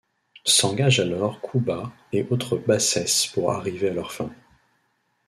S'engagent alors coups bas et autres bassesses pour arriver à leurs fins…